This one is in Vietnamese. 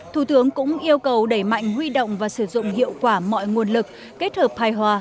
thủ tướng cũng yêu cầu đẩy mạnh huy động và sử dụng hiệu quả mọi nguồn lực kết hợp hài hòa